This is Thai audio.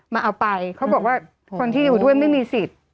เอาไปเขาบอกว่าคนที่อยู่ด้วยไม่มีสิทธิ์